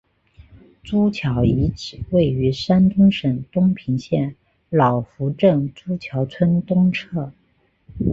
朱桥遗址位于山东省东平县老湖镇朱桥村东侧。